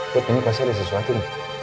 buat ini pasal ada sesuatu nih